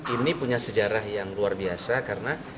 ini punya sejarah yang luar biasa karena